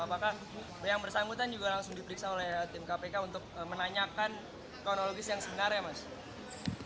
apakah yang bersangkutan juga langsung diperiksa oleh tim kpk untuk menanyakan kronologis yang sebenarnya mas